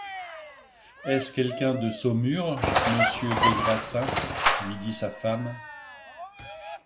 Est-ce quelqu’un de Saumur, monsieur des Grassins ? lui dit sa femme.